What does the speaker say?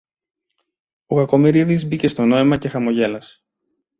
Ο Κακομοιρίδης μπήκε στο νόημα και χαμογέλασε